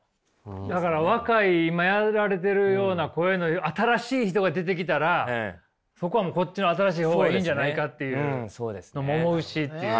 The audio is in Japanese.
だから若い今やられているような声の新しい人が出てきたらそこはもうこっちの新しい方がいいんじゃないかっていう思うしっていう。